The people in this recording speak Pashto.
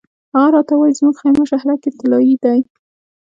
هغه راته وایي زموږ خیمه شهرک طلایي دی.